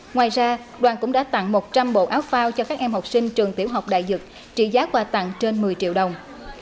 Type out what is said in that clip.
ngoài ra đoàn cũng đã tặng một trăm linh bộ áo phao cho các em học sinh trường tiểu học đại dực trị giá quà tặng trên một mươi triệu đồng